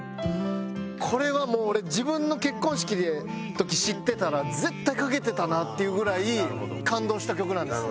これはもう俺自分の結婚式の時知ってたら絶対かけてたなっていうぐらい感動した曲なんです。